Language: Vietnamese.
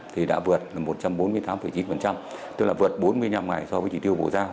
thì đã vượt một trăm bốn mươi tám chín tức là vượt bốn mươi năm ngày so với chỉ tiêu bộ giao